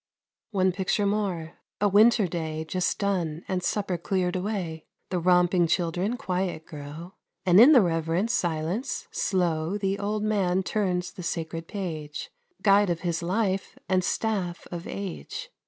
One picture more. A winter day Just done, and supper cleared away. The romping children quiet grow, And in the reverent silence, slow The old man turns the sacred page, Guide of his life and staff of age.